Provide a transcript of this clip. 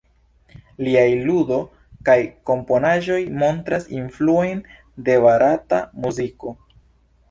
Liaj ludo kaj komponaĵoj montras influojn de barata muziko.